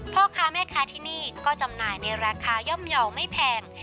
พ่อค้าแม่ค้าที่นี่ก็จำหน่ายในราคาย่อมเยาว์ไม่แพง